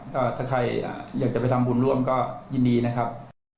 ก็ถ้าใครอยากจะไปทำบุญร่วมก็ยินดีนะครับ